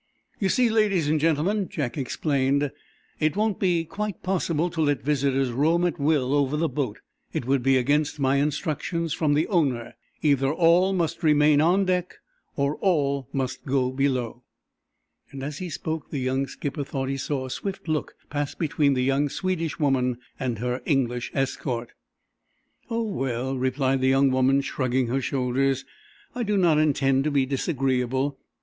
"You see, ladies and gentlemen," Jack explained, "it won't be quite possible to let visitors roam at will over the boat. It would be against my instructions from the owner. Either all must remain on deck, or all must go below." As he spoke the young skipper thought he saw a swift look pass between the young Swedish woman and her English escort. "Oh, well," replied the young woman, shrugging her shoulders, "I do not intend to be disagreeable.